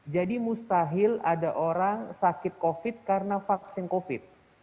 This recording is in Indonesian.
jadi mustahil ada orang sakit covid karena vaksin covid